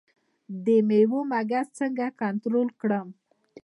د میوو مګس څنګه کنټرول کړم؟